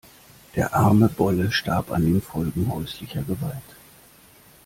Der arme Bolle starb an den Folgen häuslicher Gewalt.